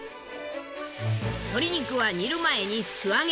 鶏肉は煮る前に素揚げ。